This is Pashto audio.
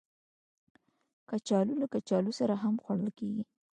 کچالو له کچالو سره هم خوړل کېږي